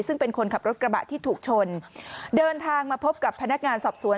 ซึ่งเป็นคนขับรถกระบะที่ถูกชนเดินทางมาพบกับพนักงานสอบสวน